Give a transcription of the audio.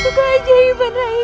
ini satu keajaiban rai